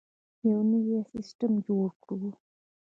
یو نوی سیستم جوړ کړو.